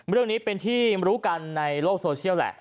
เรื่องนี้เป็นที่รู้กันในโลกโซเชียลแหละ